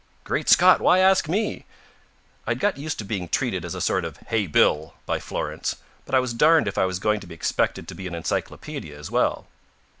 "Great Scott! Why ask me?" I had got used to being treated as a sort of "Hey, Bill!" by Florence, but I was darned if I was going to be expected to be an encyclopedia as well.